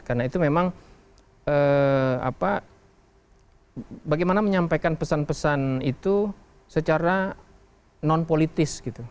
karena itu memang apa bagaimana menyampaikan pesan pesan itu secara non politis gitu